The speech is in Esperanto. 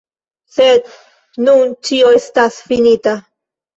Sed nun ĉio estas finita.